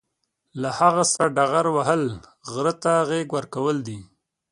له هغه سره ډغره وهل، غره ته غېږ ورکول دي.